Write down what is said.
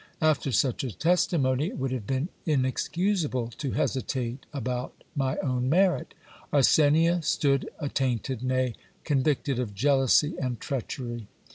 After such a testimony, it would have been inex cusable to hesitate about my own merit. Arsenia stood attainted, nay, con victed of jealousy and treachery.